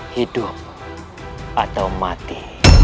hidup atau mati